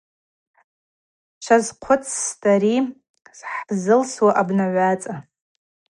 Швазхъвыцстӏ ари хӏзылсуа абнагӏваца.